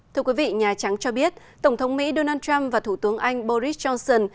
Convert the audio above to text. thưa quý vị nhà trắng cho biết tổng thống mỹ donald trump và thủ tướng anh boris johnson